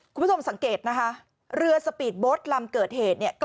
คุณผู้ชมสังเกตนะคะเรือสปีดโบ๊ทลำเกิดเหตุเนี่ย